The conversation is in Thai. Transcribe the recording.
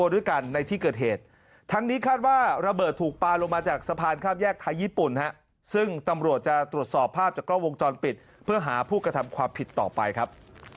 ด้วยกันในที่เกิดเหตุทั้งนี้คาดว่าระเบิดถูกปลาลงมาจากสะพานข้ามแยกไทยญี่ปุ่นซึ่งตำรวจจะตรวจสอบภาพจากกล้องวงจรปิดเพื่อหาผู้กระทำความผิดต่อไปครับ